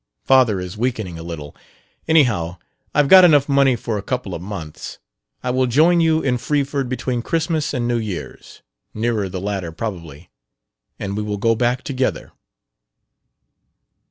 Father is weakening a little. Anyhow, I've got enough money for a couple of months. I will join you in Freeford between Christmas and New Year's (nearer the latter, probably), and we will go back together."...